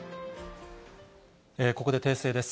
ここで訂正です。